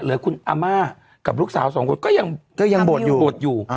เหลือคุณอาม่ากับลูกสาวสองคนก็ยังบวชอยู่บวชอยู่